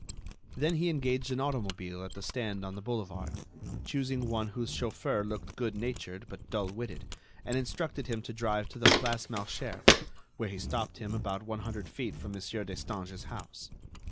Then he engaged an automobile at the stand on the boulevard, choosing one whose chauffeur looked good natured but dull witted, and instructed him to drive to the Place Malesherbes, where he stopped him about one hundred feet from Monsieur Destange's house.